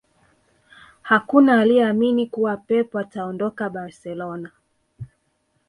Hakuna aliyeamini kuwa Pep ataondoka Barcelona